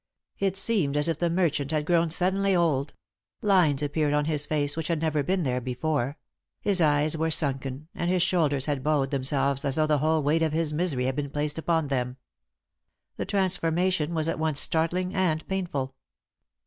It seemed as if the merchant had grown suddenly old; lines appeared on his face which had never been there before; his eyes were sunken, and his shoulders had bowed themselves as though the whole weight of his misery had been placed upon them. The transformation was at once startling and painful.